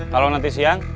kalau nanti siang